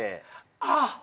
あっ。